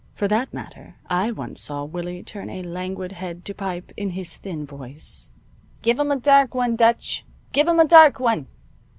For that matter, I once saw Willie turn a languid head to pipe, in his thin voice, "Give 'em a dark one, Dutch! Give 'em a dark one!"